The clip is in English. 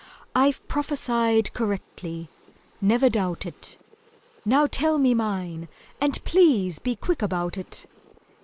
I've prophesied correctly, never doubt it; Now tell me mine—and please be quick about it!